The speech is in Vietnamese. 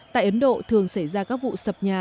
tại ấn độ thường xảy ra các vụ sập nhà